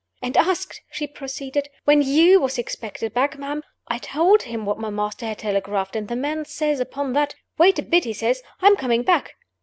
"And asked," she proceeded, "when you was expected back, ma'am. I told him what my master had telegraphed, and the man says upon that, 'Wait a bit,' he says; 'I'm coming back.